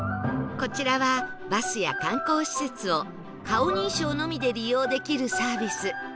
こちらはバスや観光施設を顔認証のみで利用できるサービス